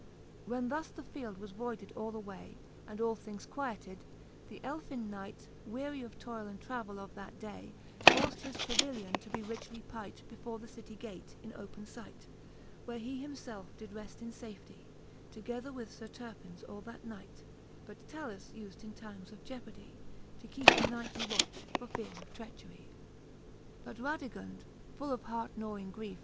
When thus the field was voided all away. And all things quieted, the elfin knight, Weary of toile and travell of that day, Caufd his pavillion to be richly pight Before the city gate, in open fight ; Where he him felfe did reft in fafcty, Together with Sir Terpin, all that night: But "Talus ufde in times of jeopardy To keepe a nightly watchj for dread of treachery, XLVII. But Radigund full of heart gnawing griefe.